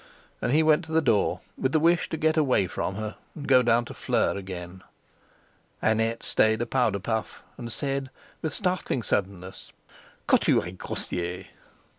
And he went to the door, with the wish to get away from her and go down to Fleur again. Annette stayed a powder puff, and said with startling suddenness "Que tu es grossier!"